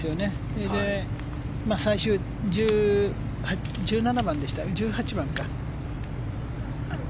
それで、最終１７番でしたか１８番か。